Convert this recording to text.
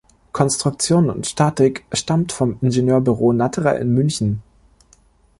Konstruktion und Statik stammt vom Ingenieurbüro Natterer in München.